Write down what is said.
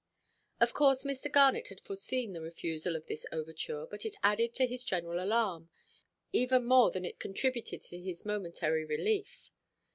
Of course Mr. Garnet had foreseen the refusal of this overture; but it added to his general alarm, even more than it contributed to his momentary relief.